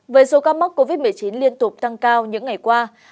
với số ca mắc covid một mươi chín liên tục tăng cao những ngày qua